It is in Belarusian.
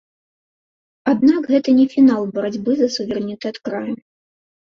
Аднак гэта не фінал барацьбы за суверэнітэт краю.